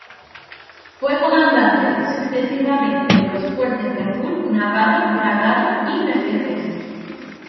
Fue comandante, sucesivamente, de los fuertes de Azul, Navarro, Bragado y Mercedes.